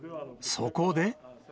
そこで。